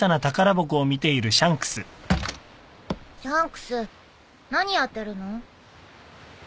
シャンクス何やってるの？